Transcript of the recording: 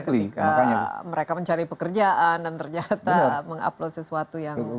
ketika mereka mencari pekerjaan dan ternyata mengupload sesuatu yang